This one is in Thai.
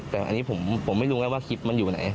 แต่อันนี้ผมไม่รู้ไงว่าคลิปมันอยู่ไหน